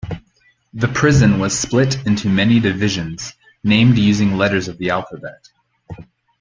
The prison was split into many divisions, named using letters of the alphabet.